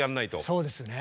そうですね。